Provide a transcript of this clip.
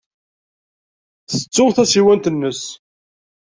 Tettu tasiwant-nnes.